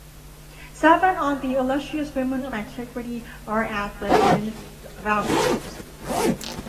Seven on the "Illustrious Women of Antiquity" are at the in Vaucluse.